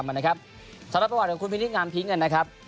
สำรับสินวัตรของคุณพินิสงามพิ้งอย่างนั้นนะครับ